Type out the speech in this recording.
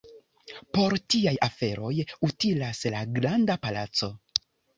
Por tiaj aferoj utilas la Granda Palaco.